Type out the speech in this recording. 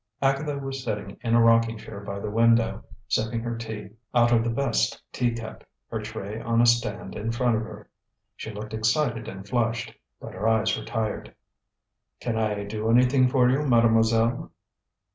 Agatha was sitting in a rocking chair by the window, sipping her tea out of the best tea cup, her tray on a stand in front of her. She looked excited and flushed, but her eyes were tired. "Can I do anything for you, Mademoiselle?"